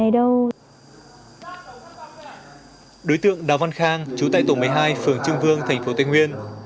đối tượng đào văn khang chú tại tổng một mươi hai phường trưng vương thành phố tây nguyên